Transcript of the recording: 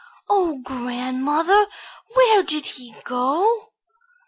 "Oh, grandmother, where did he go?"